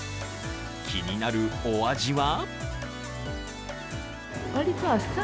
気になるお味は？